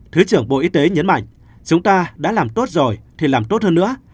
thứ trưởng bộ y tế nhấn mạnh chúng ta đã làm tốt rồi thì làm tốt hơn nữa